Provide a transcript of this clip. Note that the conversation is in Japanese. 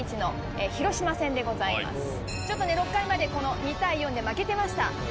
ちょっとね６回まで２対４で負けてました。